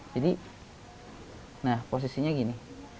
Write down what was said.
jadi nah posisinya gini